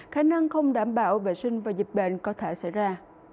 khả năng không đảm bảo vệ sinh và dịch bệnh có thể xảy ra